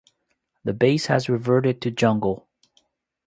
The base has reverted to jungle.